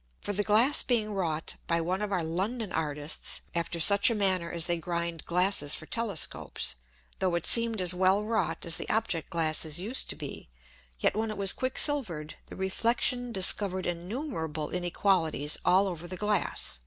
For the Glass being wrought by one of our London Artists after such a manner as they grind Glasses for Telescopes, though it seemed as well wrought as the Object glasses use to be, yet when it was quick silver'd, the Reflexion discovered innumerable Inequalities all over the Glass.